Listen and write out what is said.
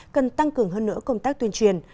cần tăng cường hơn nữa công tác tuyên truyền